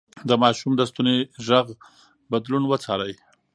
د ماشوم د ستوني غږ بدلون وڅارئ.